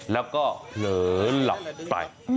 แล้วก็เผลอหลับไป